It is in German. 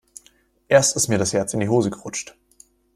Erst ist mir das Herz in die Hose gerutscht.